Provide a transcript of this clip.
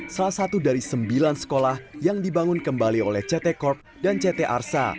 salah satu dari sembilan sekolah yang dibangun kembali oleh ct corp dan ct arsa